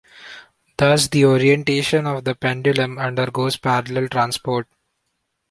Thus the orientation of the pendulum undergoes parallel transport.